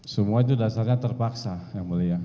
semua itu dasarnya terpaksa yang mulia